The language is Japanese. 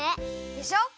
でしょ。